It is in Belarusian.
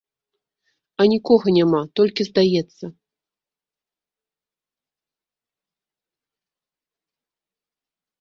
А нікога няма, толькі здаецца.